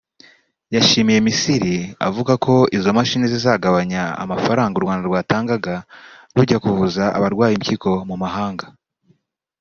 yashimiye Misiri avuga ko izo mashini zizagabanya amafaranga u Rwanda rwatangaga rujya kuvuza abarwaye impyiko mu mahanga